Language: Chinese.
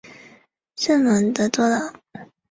圣龙德多朗。